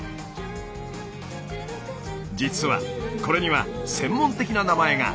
実はこれには専門的な名前が。